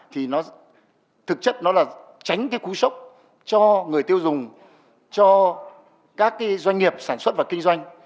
thì nó thực chất nó là tránh cái cú sốc cho người tiêu dùng cho các cái doanh nghiệp sản xuất và kinh doanh